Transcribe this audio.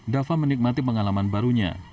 dava menikmati pengalaman barunya